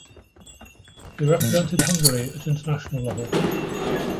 He represented Hungary at international level.